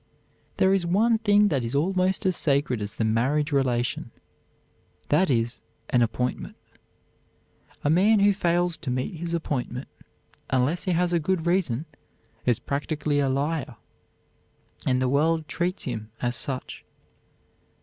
There is one thing that is almost as sacred as the marriage relation, that is, an appointment. A man who fails to meet his appointment, unless he has a good reason, is practically a liar, and the world treats him as such.